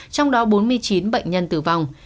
trong đó bốn mươi chín bệnh nhân tử vong